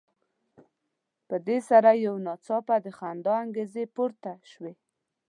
په دې سره یو ناڅاپه د خندا انګازې پورته شوې.